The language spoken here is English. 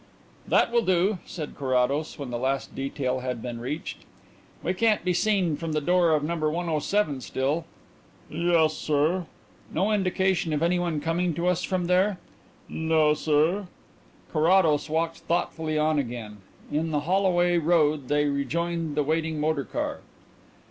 "That will do," said Carrados, when the last detail had been reached. "We can be seen from the door of No. 107 still?" "Yes, sir." "No indication of anyone coming to us from there?" "No, sir." Carrados walked thoughtfully on again. In the Holloway Road they rejoined the waiting motor car.